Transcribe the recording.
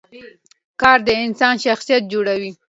کار د انسان شخصیت جوړوي